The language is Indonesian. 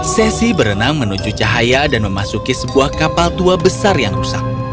sesi berenang menuju cahaya dan memasuki sebuah kapal tua besar yang rusak